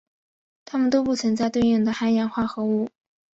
它们都不存在对应的含氧化合物。